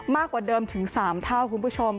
มากกว่าเดิมถึง๓เท่าคุณผู้ชม